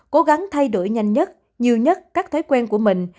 cố gắng thay đổi nhanh nhất nhiều nhất các thói quen của mình